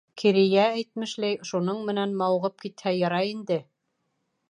Керея әйтмешләй, шуның менән мауығып китһә ярай инде.